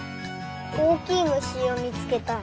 おおきいむしをみつけたい。